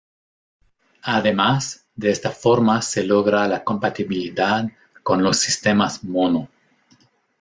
Además, de esta forma se logra la compatibilidad con los sistemas mono.